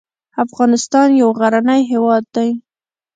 افغانستان يو غرنی هېواد دی